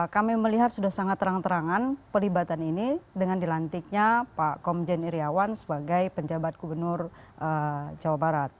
kami melihat sudah sangat terang terangan pelibatan ini dengan dilantiknya pak komjen iryawan sebagai penjabat gubernur jawa barat